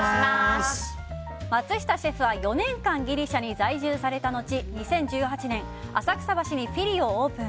松下シェフは４年間ギリシャに在住された後２０１８年浅草橋にフィリをオープン。